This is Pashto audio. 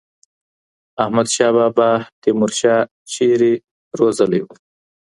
احمد شاه بابا تیمور شاه چیرته روزلی و؟